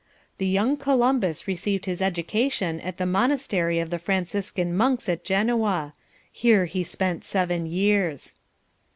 "...The young Columbus received his education at the monastery of the Franciscan monks at Genoa. Here he spent seven years."